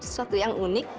suatu yang unik